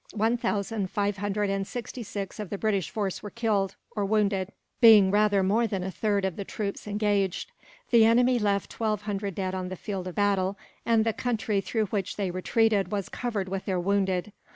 One thousand five hundred and sixty six of the British force were killed, or wounded, being rather more than a third of the troops engaged. The enemy left twelve hundred dead on the field of battle, and the country through which they retreated was covered with their wounded.